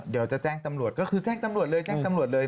เดี๋ยวจะแจ้งตำรวจก็คือแจ้งตำรวจเลยแจ้งตำรวจเลย